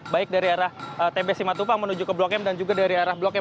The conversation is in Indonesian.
baik dari arah tb simatupang menuju ke blok m dan juga dari arah blok m